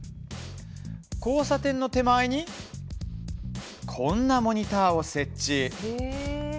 交差点の手前にこんなモニターを設置。